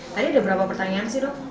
tadi ada berapa pertanyaan sih dok